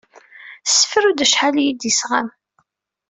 Sefru-d acḥal i yi-d-isɣam.